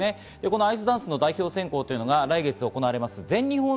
アイスダンスの代表選考が来月行われます。